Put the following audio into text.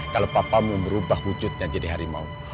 kalau papamu merubah wujudnya jadi harimau